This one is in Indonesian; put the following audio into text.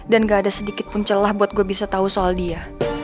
dan gak ada sedikit pun celah buat gue bisa tau soal dia